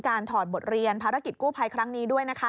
ถอดบทเรียนภารกิจกู้ภัยครั้งนี้ด้วยนะคะ